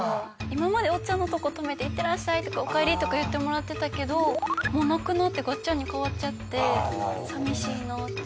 今までおっちゃんのとこ止めて「いってらっしゃい」とか「おかえり」とか言ってもらってたけどもうなくなってガッチャンに変わっちゃって寂しいなって。